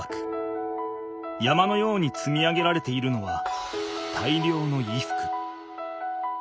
山のようにつみ上げられているのは大量の衣服。